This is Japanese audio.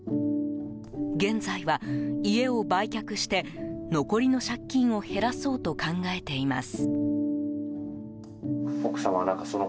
現在は、家を売却して残りの借金を減らそうと考えています。